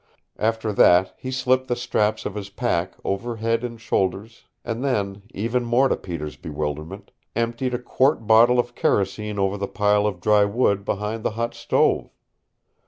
After that he slipped the straps of his pack over head and shoulders and then, even more to Peter's bewilderment, emptied a quart bottle of kerosene over the pile of dry wood behind the hot stove.